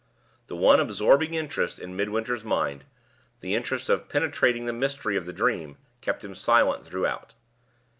The one absorbing interest in Midwinter's mind the interest of penetrating the mystery of the dream kept him silent throughout.